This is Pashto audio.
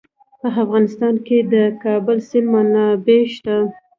په افغانستان کې د د کابل سیند منابع شته.